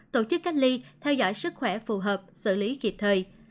tổ chức cách ly theo dõi sức khỏe phù hợp xử lý kịp thời